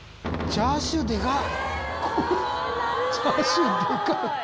チャーシューでかい！